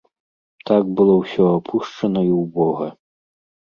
Так было ўсё апушчана і ўбога.